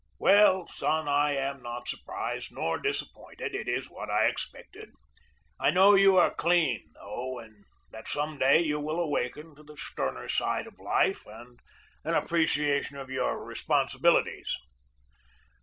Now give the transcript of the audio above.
Well, son, I am not surprised nor disappointed it is what I expected. I know you are clean, though, and that some day you will awaken to the sterner side of life and an appreciation of your responsibilities.